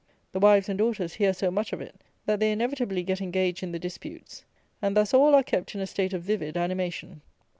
The wives and daughters hear so much of it, that they inevitably get engaged in the disputes; and thus all are kept in a state of vivid animation.